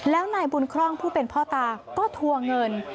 แล้วนายบุญคร่องผู้เป็นพ่อตาก็ทัวร์เงิน